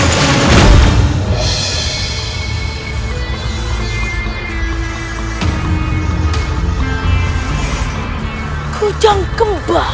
tidak ada apa apa